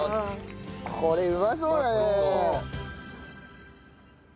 これうまそうだね！